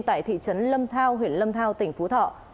tại thị trấn lâm thao huyện lâm thao tỉnh phú thọ